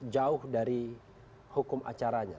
jauh dari hukum acaranya